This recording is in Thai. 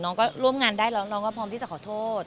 น้องก็ร่วมงานได้แล้วน้องก็พร้อมที่จะขอโทษ